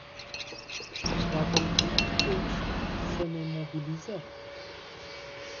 Va trebui deci să ne mobilizăm.